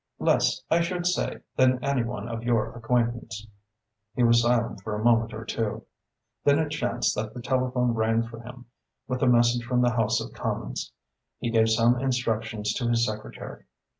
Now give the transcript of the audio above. "Less, I should say, than any one of your acquaintance." He was silent for a moment or two. Then it chanced that the telephone rang for him, with a message from the House of Commons. He gave some instructions to his secretary.